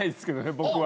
僕は。